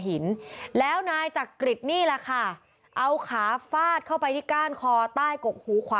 กลับจาก